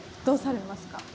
どうされますか？